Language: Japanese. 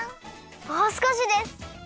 もうすこしです！